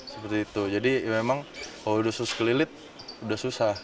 seperti itu jadi memang kalau udah susu kelilit sudah susah